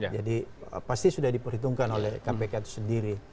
jadi pasti sudah diperhitungkan oleh kpk itu sendiri